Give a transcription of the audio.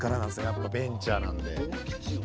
やっぱベンチャーなんで。